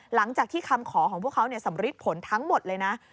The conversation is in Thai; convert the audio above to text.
หลังจากที่คำขอของพวกเขาสำริดผลทั้งหมดเลยนะ